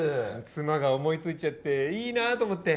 妻が思いついちゃっていいなと思って。